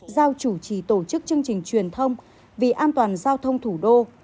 giao chủ trì tổ chức chương trình truyền thông vì an toàn giao thông thủ đô